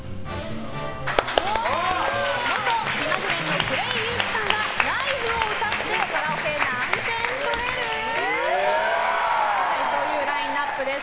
元キマグレンのクレイ勇輝さんは「ＬＩＦＥ」を歌ってカラオケ何点取れる？というラインアップです。